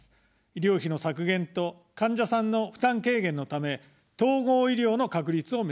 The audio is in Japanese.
医療費の削減と患者さんの負担軽減のため、統合医療の確立を目指します。